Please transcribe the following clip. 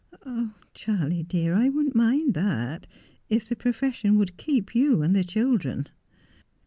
' Ah, Charley dear, I wouldn't mind that, if the profession would keep you and the children.'